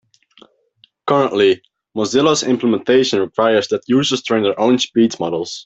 Currently, Mozilla's implementation requires that users train their own speech models.